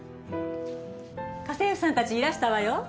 家政婦さんたちいらしたわよ。